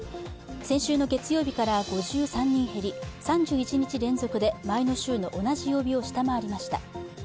先週の月曜日から５３人減り３１日連続で前の週の同じ曜日を下回りました。